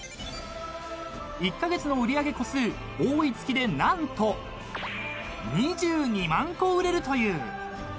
［１カ月の売り上げ個数多い月で何と２２万個売れるという］